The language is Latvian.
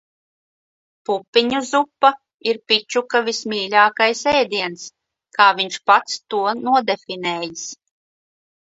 Pupiņu zupa ir Pičuka vismīļākais ēdiens, kā viņš pats to nodefinējis.